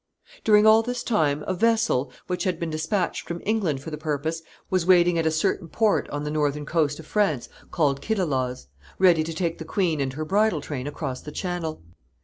] During all this time a vessel, which had been dispatched from England for the purpose, was waiting at a certain port on the northern coast of France called Kiddelaws, ready to take the queen and her bridal train across the Channel.